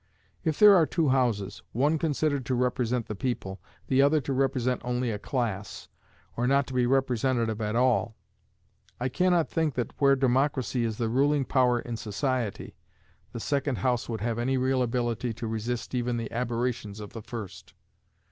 If there are two houses, one considered to represent the people, the other to represent only a class, or not to be representative at all, I can not think that, where democracy is the ruling power in society, the second House would have any real ability to resist even the aberrations of the first.